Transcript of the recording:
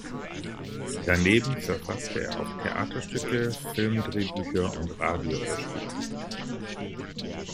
Daneben verfasste er auch Theaterstücke, Film-Drehbücher und Radio-Hörspiele.